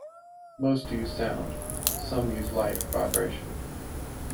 Most use sound; some use light or vibration.